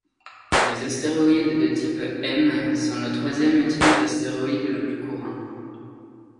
Les astéroïdes de type M sont le troisième type d'astéroïdes le plus courant.